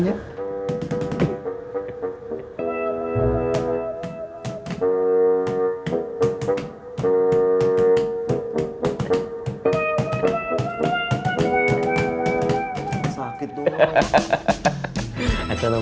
tapi prosesnya pasti yang proper